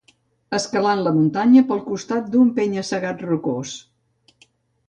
Escalant la muntanya pel costat d'un penya-segat rocós.